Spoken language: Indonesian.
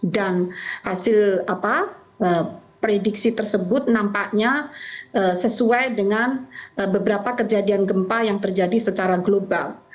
dan hasil prediksi tersebut nampaknya sesuai dengan beberapa kejadian gempa yang terjadi secara global